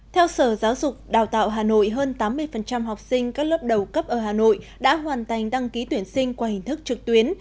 theo sở giáo dục đào tạo hà nội hơn tám mươi học sinh các lớp đầu cấp ở hà nội đã hoàn thành đăng ký tuyển sinh qua hình thức trực tuyến